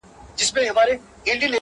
د ميني ننداره ده؛ د مذهب خبره نه ده؛